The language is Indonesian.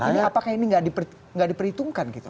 ini apakah ini nggak diperhitungkan gitu